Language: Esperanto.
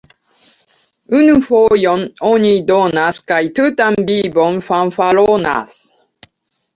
Unu fojon oni donas kaj tutan vivon fanfaronas.